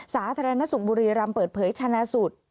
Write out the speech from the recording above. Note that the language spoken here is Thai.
สาธารณสุขบุรีรำเปิดเผยชนะสูตร